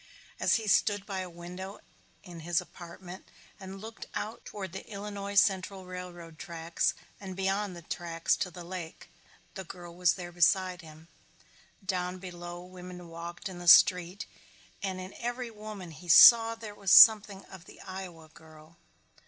As he stood by a window in his apartment and looked out toward the Illinois Central railroad tracks and beyond the tracks to the lake, the girl was there beside him. Down below women walked in the street and in every woman he saw there was something of the Iowa girl.